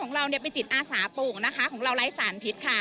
เราเป็นจิตอาสาปลูกนะคะของเราไร้สารพิษค่ะ